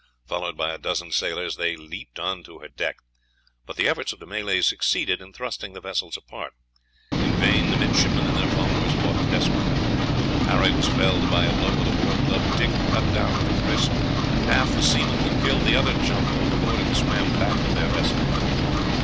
Followed by a dozen sailors, they leaped on to her deck; but the efforts of the Malays succeeded in thrusting the vessels apart. In vain the midshipmen and their followers fought desperately. Harry was felled by a blow with a war club, Dick cut down with a kris; half the seamen were killed, the others jumped overboard and swam back to their vessel.